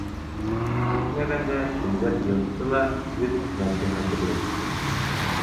Көтмәгәндә көндәр йылытты ла көҙ яҙҙы хәтерләтте.